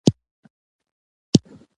چې له شره يې ځان خوندي کړي.